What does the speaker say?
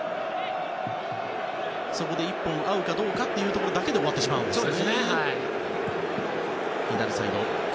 そこで１本合うかどうかというだけで終わってしまうんですね。